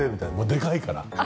でかいから。